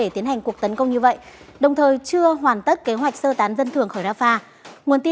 xin chào và hẹn gặp lại